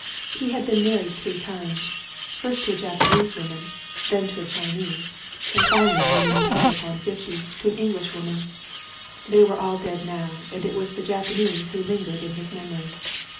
He had been married three times, first to a Japanese woman, then to a Chinese, and finally when he was hard upon fifty to an English woman. They were all dead now and it was the Japanese who lingered in his memory.